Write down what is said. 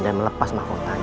dan melepas mahkotanya